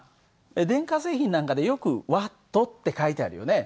電化製品なんかでよくＷって書いてあるよね。